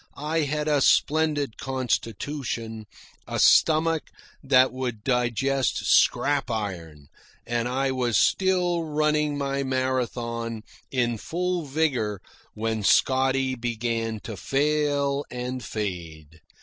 I had a splendid constitution, a stomach that would digest scrap iron, and I was still running my marathon in full vigour when Scotty began to fail and fade.